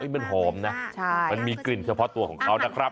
มันหอมนะมันมีกลิ่นเฉพาะตัวของเขานะครับ